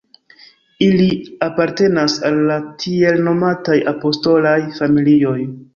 Ili apartenas al la tiel nomataj apostolaj familioj.